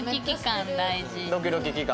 ドキドキ期間